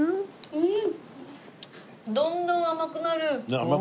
うん。